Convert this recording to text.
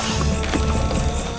saya akan menc springs